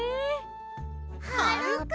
はるか。